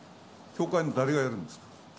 教会の誰がやるんですか？